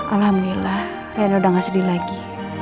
alhamdulillah ya udah gak sedih lagi